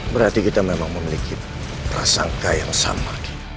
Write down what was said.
berarti kita memang memiliki prasangka yang sama